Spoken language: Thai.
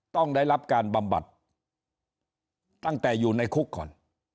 ต้องได้รับการบำบัดตั้งแต่อยู่ในคุกก่อน